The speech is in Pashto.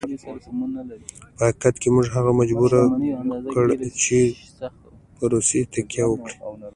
په حقیقت کې موږ هغه مجبور کړ چې پر روسیې تکیه وکړي.